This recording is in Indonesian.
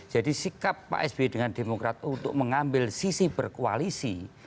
jadi sikap pak sby dengan demokrat u untuk mengambil sisi berkoalisi